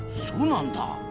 そうなんだ！